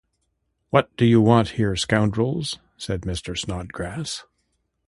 ‘What do you want here, scoundrels?’ said Mr. Snodgrass.